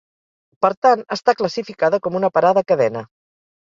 Per tant, està classificada com una parada cadena.